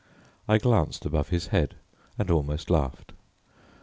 I glanced above his head, and almost laughed.